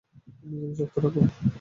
নিজেকে শক্ত রাখো।